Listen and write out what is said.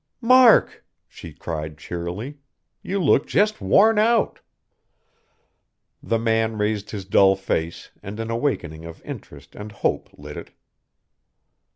"Mark!" she cried cheerily, "you look just worn out." The man raised his dull face and an awakening of interest and hope lit it.